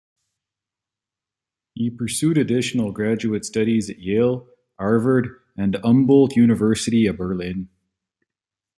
He pursued additional graduate studies at Yale, Harvard, and the Humboldt University of Berlin.